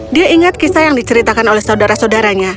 dia ingat kisah yang diceritakan oleh saudara saudaranya